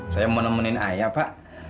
saya mau nemenin ayah pak